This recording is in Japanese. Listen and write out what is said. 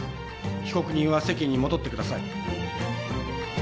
被告人は席に戻ってください